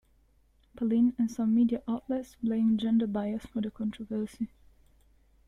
Palin and some media outlets blamed gender bias for the controversy.